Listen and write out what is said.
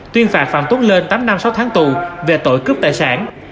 tuyên phạt phạm tuấn lên tám năm sáu tháng tù về tội cướp tài sản